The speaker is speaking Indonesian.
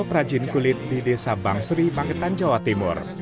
prajin kulit di desa bangsri bangetan jawa timur